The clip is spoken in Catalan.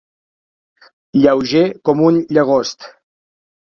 Lleuger com un llagost.